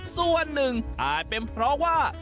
ส่วนหนึ่งอาจเป็นเพราะว่า